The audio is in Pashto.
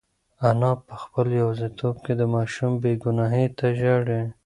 انا په خپل یوازیتوب کې د ماشوم بې گناهۍ ته ژاړي.